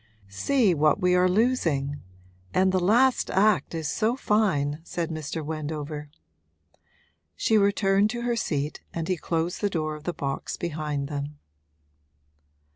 'See what we are losing! And the last act is so fine,' said Mr. Wendover. She returned to her seat and he closed the door of the box behind them.